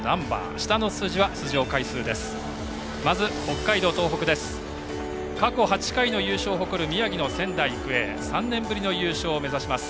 下の数字は出場回数です。